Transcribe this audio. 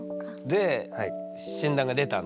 で診断が出たんだ。